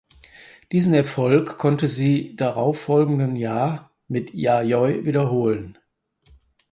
Diesen Erfolg konnte sie darauffolgenden Jahr mit "Yayoi" wiederholen.